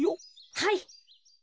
はい！